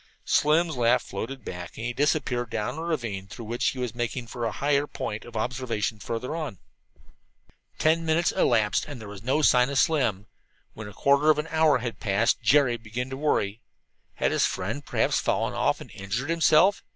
Slim's laugh floated back and he disappeared down a ravine through which he was making for a higher point of observation further on. Ten minutes elapsed and there was no sign of Slim. When a quarter of an hour had passed Jerry began to get worried. Had his friend perhaps fallen and injured himself?